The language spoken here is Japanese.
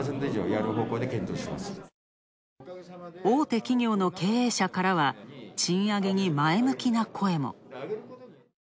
大手企業の経営者からは賃上げに前向きな声も。